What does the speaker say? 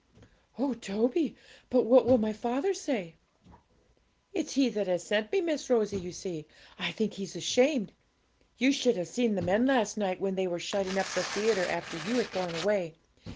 'Oh, Toby! but what will my father say?' 'It's he that has sent me, Miss Rosie; you see, I think he's ashamed. You should have seen the men last night, when they were shutting up the theatre after you had gone away.